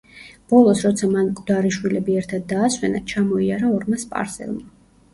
ბოლოს, როცა მან მკვდარი შვილები ერთად დაასვენა, ჩამოიარა ორმა სპარსელმა.